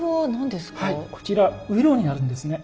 こちら雨量になるんですね。